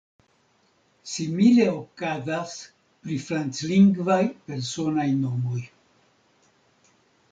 Simile okazas pri franclingvaj personaj nomoj.